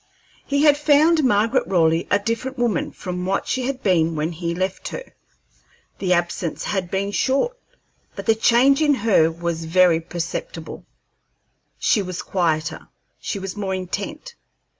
He had found Margaret Raleigh a different woman from what she had been when he left her. The absence had been short, but the change in her was very perceptible. She was quieter; she was more intent.